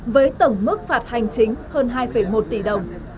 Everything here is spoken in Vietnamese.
với tổng mức phạt hành chính hơn hai một tỷ đồng